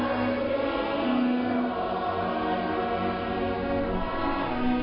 อาเมนอาเมน